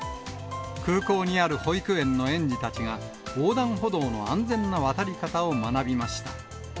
空港にある保育園の園児たちが、横断歩道の安全な渡り方を学びました。